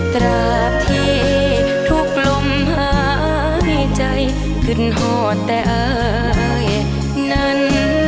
ตราบที่ทุกลมหายใจขึ้นห่อแต่อายนั้น